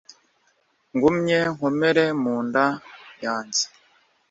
Ngumye nkomere mu nda yange